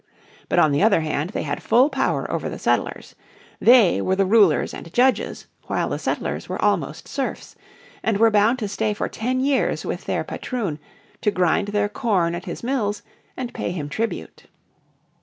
But on the other hand they had full power over the settlers. They were the rulers and judges, while the settlers were almost serfs, and were bound to stay for ten years with their patroon, to grind their corn at his mills, and pay him tribute.